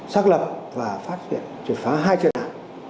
xác lập và phát triển triệt phá hai triệt nạn